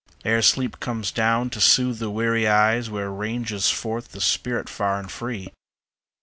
Ere sleep comes down to soothe the weary eyes, Where ranges forth the spirit far and free?